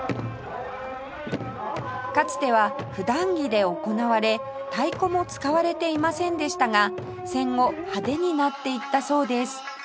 かつては普段着で行われ太鼓も使われていませんでしたが戦後派手になっていったそうです